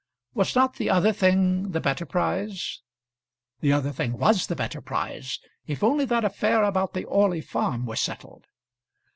Was not the other thing the better prize? The other thing was the better prize; if only that affair about the Orley Farm were settled.